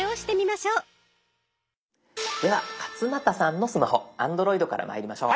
では勝俣さんのスマホＡｎｄｒｏｉｄからまいりましょう。